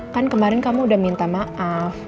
kan kemarin kamu udah minta maaf